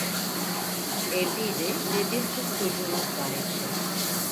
Evliydi ve bir kız çocuğuna sahipti.